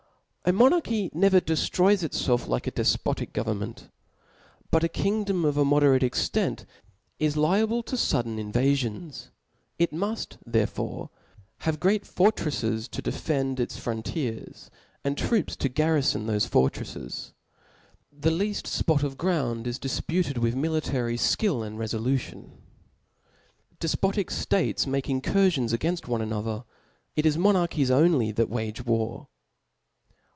A Monarchy never deftroys itfelf like a defpo tic government. But a kingdom of a mo derate extent is liable to fudden invalions : it muft therefore have fortreflcs to defend its frontiers j and troops to garrifon thofe fortreiles. The leaft fpot of ground is difputed with military fkill and refolution. Defpotic Hates make incurfion^ againft one another ; it is monaridhies only that wage war.